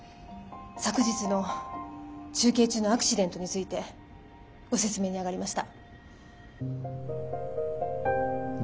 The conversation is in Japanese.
昨日の中継中のアクシデントについてご説明に上がりました。